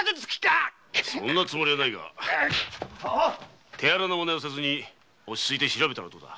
そんなつもりはないが手荒なマネはせず落ち着いて調べたらどうだ。